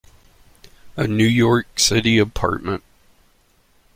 A New York City apartment.